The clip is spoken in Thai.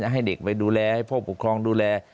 ให้เด็กไปดูแลให้ผู้ปกครองดูแล